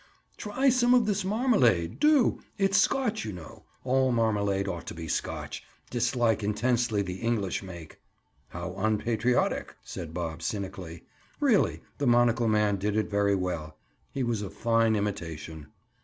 "Try some of this marmalade—do—it's Scotch, you know. All marmalade ought to be Scotch. Dislike intensely the English make!" "How unpatriotic!" said Bob cynically. Really, the monocle man did it very well. He was a fine imitation.